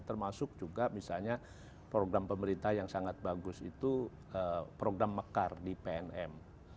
termasuk juga misalnya program pemerintah yang sangat bagus itu program mekar di pnm